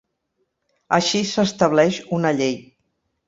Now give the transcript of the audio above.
Així s'estableix una llei.